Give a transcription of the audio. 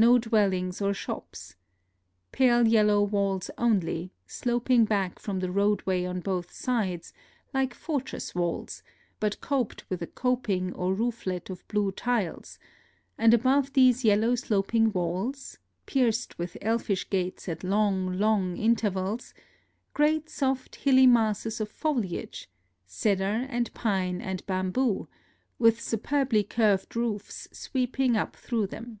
No dwellings or shops. Pale yellow walls only, sloping back from the roadway on both sides, like fortress walls, but coped with a coping or rooflet of blue tiles; and above these yellow sloping walls (pierced with elfish gates at long, long intervals), great soft hilly masses of foliage — cedar and pine and bamboo — with superbly curved roofs sweeping up through NOTES OF A TRIP TO KYOTO 81 them.